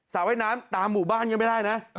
ว่ายน้ำตามหมู่บ้านยังไม่ได้นะ